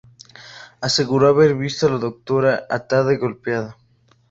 Aseguró haber visto a la doctora atada y golpeada.